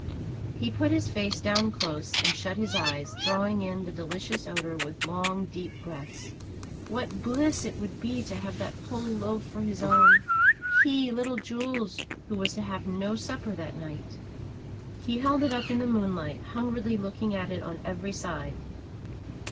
He put his face down close, and shut his eyes, drawing in the delicious odor with long, deep breaths. What bliss it would be to have that whole loaf for his own, he, little Jules, who was to have no supper that night! He held it up in the moonlight, hungrily looking at it on every side.